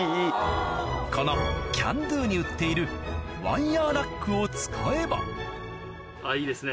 このキャンドゥに売っているワイヤーラックを使えばいいですね。